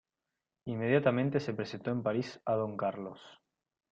Inmediatamente se presentó en París a Don Carlos.